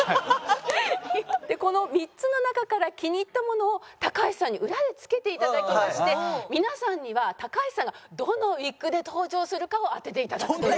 この３つの中から気に入ったものを橋さんに裏で着けて頂きまして皆さんには橋さんがどのウィッグで登場するかを当てて頂くという。